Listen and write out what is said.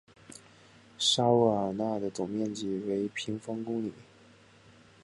沙沃尔奈的总面积为平方公里。